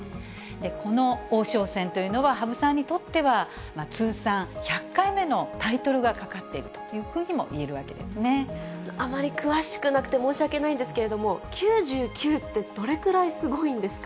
この王将戦というのは、羽生さんにとっては通算１００回目のタイトルがかかっているといあまり詳しくなくて申し訳ないんですけれども、９９って、どれくらいすごいんですか。